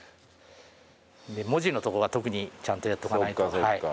文字のとこが特にちゃんとやっておかないと。